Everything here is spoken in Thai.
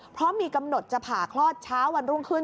เพราะมีกำหนดจะผ่าคลอดเช้าวันรุ่งขึ้น